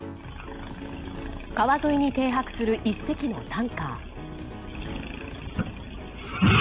川沿いに停泊する１隻のタンカー。